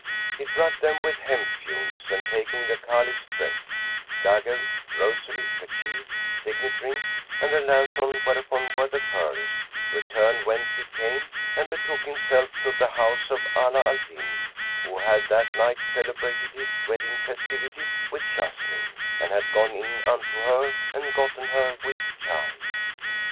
He drugged them with hemp fumes;[FN#93] and, taking the Caliph's dress; dagger, rosary, kerchief, signet ring and the lanthorn whereupon were the pearls, returned whence he came and betook himself to the house of Ala al Din, who had that night celebrated his wedding festivities with Jessamine and had gone in unto her and gotten her with child.